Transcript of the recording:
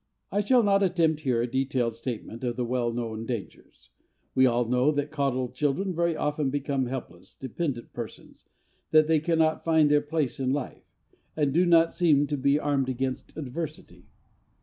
I shall not attempt here a detailed statement of the well known dangers. We all know that coddled children very often become helpless, dependent persons, that they cannot find their place in life, and do not seem to be armed against adversity.